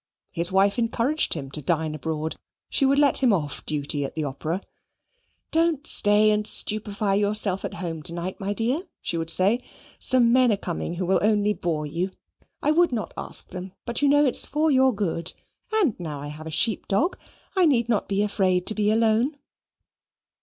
His wife encouraged him to dine abroad: she would let him off duty at the opera. "Don't stay and stupefy yourself at home to night, my dear," she would say. "Some men are coming who will only bore you. I would not ask them, but you know it's for your good, and now I have a sheep dog, I need not be afraid to be alone."